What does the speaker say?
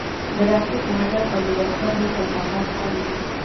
د راکټ ماډل او د دفتر نور کثافات هم وو